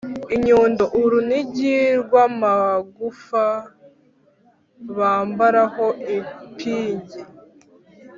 inyundo: urunigi rw’amagufa bambaraho impigȋ